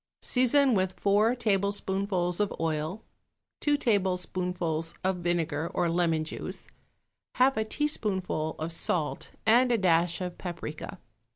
Season with four tablespoonfuls of oil, two tablespoonfuls of vinegar or lemon juice, half a teaspoonful of salt and a dash of paprica.